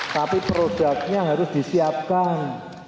tapi produknya harus disiapkan